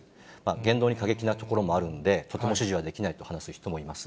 言動に過激なところもあるんで、とても支持はできないと話す人もいます。